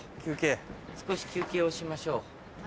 少し休憩をしましょう。